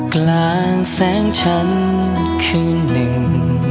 กลางแสงฉันคืนหนึ่ง